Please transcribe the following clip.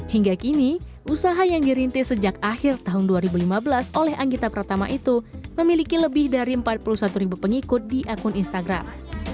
hingga kini usaha yang dirintis sejak akhir tahun dua ribu lima belas oleh anggita pratama itu memiliki lebih dari empat puluh satu ribu pengikut di akun instagram